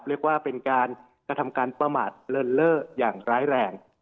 เรียกว่าเป็นการกระทำการประมาทเลินเล่ออย่างร้ายแรง